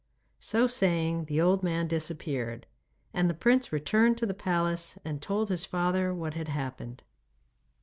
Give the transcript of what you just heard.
So saying the old man disappeared, and the prince returned to the palace and told his father what had happened.